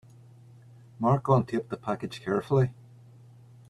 Mark untaped the package carefully.